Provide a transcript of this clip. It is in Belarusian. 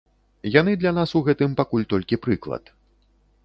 Яны для нас у гэтым пакуль толькі прыклад.